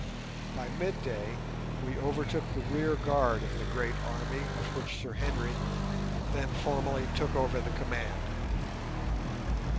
By midday we overtook the rear guard of the great army of which Sir Henry then formally took over the command.